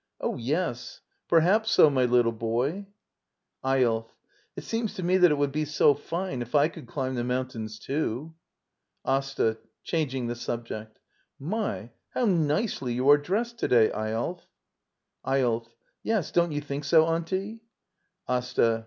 ] Oh, yes; per haps so, my little boy. Eyolf. It seems to me that it would be so fine if I could climb the mountains, too. AsTA. [Changing the subject.] My, how nicely you are dressed to day, Eyolf! Eyolf. Yes, don't you think so, auntie? AsTA.